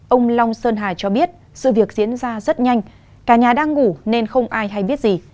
ông long sơn hà cho biết sự việc diễn ra rất nhanh cả nhà đang ngủ nên không ai hay biết gì